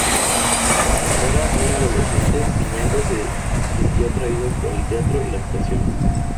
Cuando era un adolescente, Piñango se sintió atraído por el teatro y la actuación.